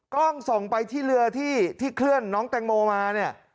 กล้องส่งไปที่เรือที่เคลื่อนน้องแตงโมมาเนี่ย